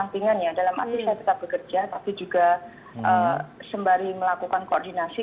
sampingan ya dalam arti saya tetap bekerja tapi juga sembari melakukan koordinasi